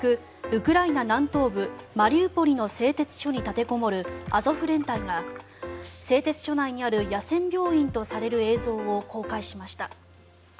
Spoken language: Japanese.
ウクライナ南東部マリウポリの製鉄所に立てこもるアゾフ連隊が、製鉄所内にある野戦病院とされる映像を公開しました。